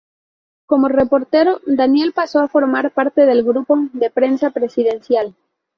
Como reportero, Daniel pasó a formar parte del grupo de prensa presidencial.